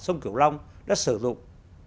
sông cửu long đã sử dụng